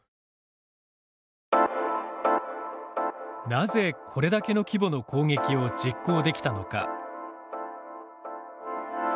なぜこれだけの規模の攻撃を実行できたのか。